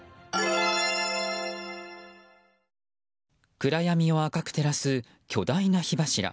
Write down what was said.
暗闇を赤く照らす巨大な火柱。